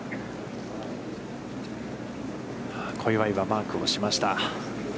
小祝はマークをしました。